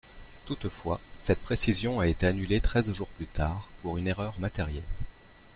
Toutefois, cette précision a été annulée treize jours plus tard, pour une erreur matérielle.